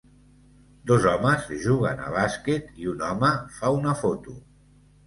Dos homes juguen a bàsquet i un home fa una foto.